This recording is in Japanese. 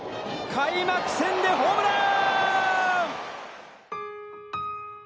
開幕戦でホームラン！